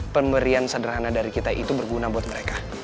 pemberian sederhana dari kita itu berguna buat mereka